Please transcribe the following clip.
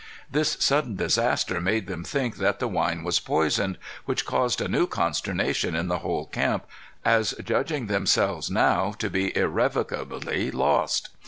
"This sudden disaster made them think that the wine was poisoned, which caused a new consternation in the whole camp, as judging themselves now to be irrecoverably lost.